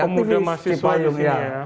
pemuda mahasiswa disini ya